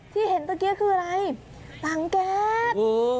เห็นเมื่อกี้คืออะไรถังแก๊ส